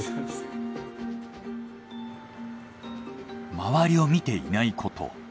周りを見ていないこと。